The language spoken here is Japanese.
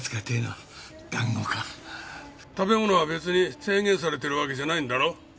食べ物は別に制限されてるわけじゃないんだろ？